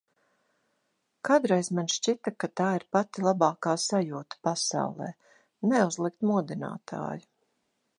Kādreiz man šķita, ka tā ir pati labākā sajūta pasaulē – neuzlikt modinātāju.